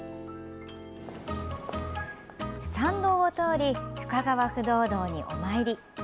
参道を通り、深川不動堂にお参り。